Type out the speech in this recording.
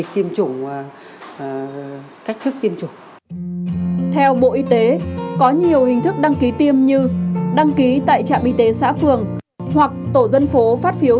theo bộ y tế có nhiều hình thức đăng ký tiêm như đăng ký tại trạm y tế xã phường hoặc tổ dân phố phát phiếu